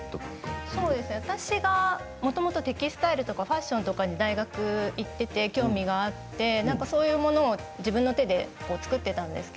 私がもともとテキスタイルとかファッションとかの大学に行っていて、興味があってそういうもの自分の手で作っていたんです。